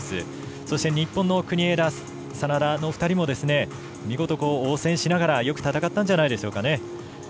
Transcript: そして日本の国枝、眞田の２人も見事、応戦しながらよく戦ったんじゃないでしょうか。